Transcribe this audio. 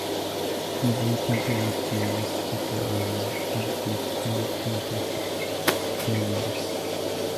Easily compared to most popular and visited European classic venues.